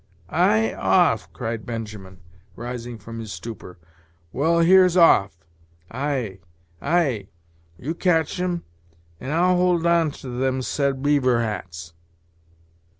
ay, off!" cried Benjamin, rising from his stupor; "well, here's off. Ay! ay! you catch 'em, and I'll hold on to them said beaver hats."